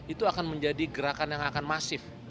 itu akan menjadi gerakan yang akan masif